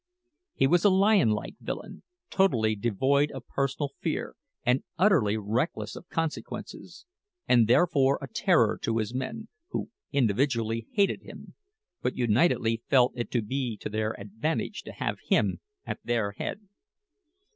He was a lion like villain, totally devoid of personal fear, and utterly reckless of consequences, and therefore a terror to his men, who individually hated him, but unitedly felt it to be to their advantage to have him at their head.